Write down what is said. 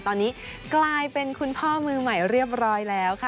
ตอนนี้กลายเป็นคุณพ่อมือใหม่เรียบร้อยแล้วค่ะ